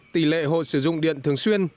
tỷ lệ hộ sử dụng điện thường xuyên